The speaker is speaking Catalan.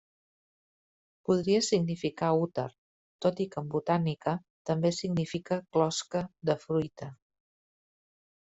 Podria significar 'úter', tot i que en botànica també significa 'closca' de fruita.